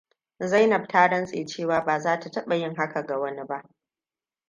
Zainab ta rantse cewa ba za ta taba yin haka ga wani ba.